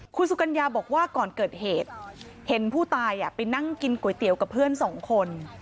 คุณสุกัญญาบอกว่าก่อนเกิดเหตุเห็นผู้ตายไปนั่งกินก๋วยเตี๋ยวกับเพื่อนสองคน